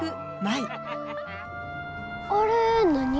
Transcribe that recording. あれ何？